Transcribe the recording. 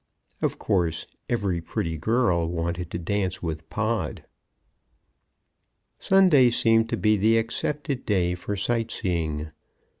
Of course, every pretty girl wanted to dance with Pod. Sunday seemed to be the accepted day for sight seeing.